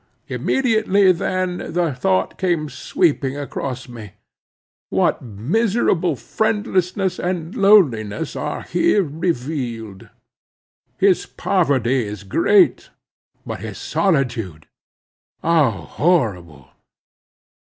Immediately then the thought came sweeping across me, What miserable friendlessness and loneliness are here revealed! His poverty is great; but his solitude, how horrible!